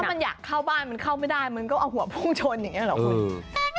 มันอยากเข้าบ้านมันเข้าไม่ได้มันก็เอาหัวพุ่งชนอย่างนี้หรอคุณ